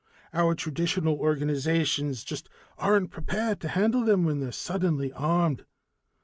Our traditional organizations just aren't prepared to handle them when they're suddenly armed.